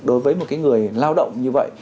đối với một người lao động như vậy